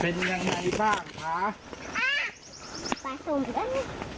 เป็นยังไงบ้างฮะเออป่าสุ่มได้ไหม